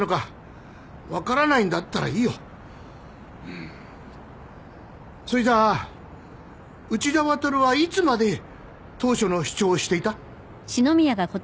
んーそれじゃあ内田亘はいつまで当初の主張をしていた？